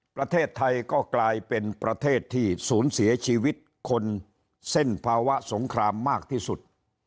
ประเทศไทยก็กลายเป็นประเทศที่ศูนย์เสียชีวิตคนเส้นภาวะสงครามมากที่สุด